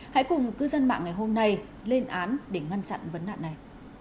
hãy cùng cư dân mạng ngày hôm nay lên án để ngăn chặn vấn nạn này